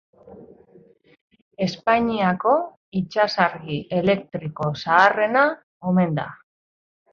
Espainiako itsasargi elektriko zaharrena omen da.